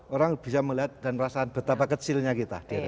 orang bisa melihat dan merasakan betapa kecilnya kita